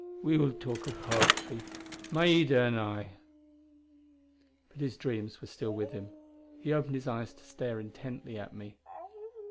We will talk of poetry, Maida and I...." But his dreams were still with him. He opened his eyes to stare intently at me.